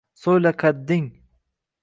So’yla, qadding